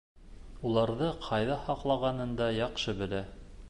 Уларҙы ҡайҙа һаҡлағанын да яҡшы белә.